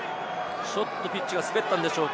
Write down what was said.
ちょっとピッチが滑ったんでしょうか？